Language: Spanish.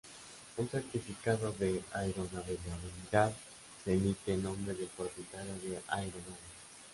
Un certificado de aeronavegabilidad se emite en nombre del propietario del aeronave.